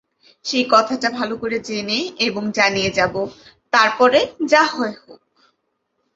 সেই কথাটা ভালো করে জেনে এবং জানিয়ে যাব, তার পরে যা হয় হোক।